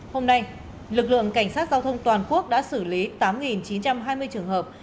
hôm nay lực lượng cảnh sát giao thông toàn quốc đã xử lý tám chín trăm hai mươi trường hợp